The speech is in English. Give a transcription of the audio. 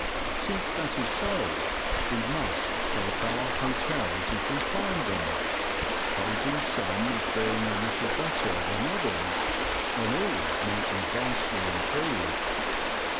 Since that is so we must take our hotels as we find them, praising some as being a little better than others when all might be vastly improved.